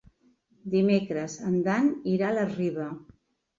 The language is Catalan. Dimecres en Dan irà a la Riba.